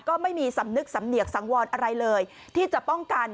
ก็ไม่มีสำนึกสำเนียกสังวรอะไรเลยที่จะป้องกัน